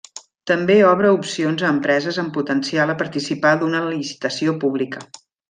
També obra opcions a empreses amb potencial a participar d'una licitació pública.